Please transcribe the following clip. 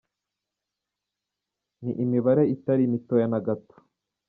Ni imibare itari mitoya na gato.